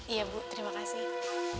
iya bu terima kasih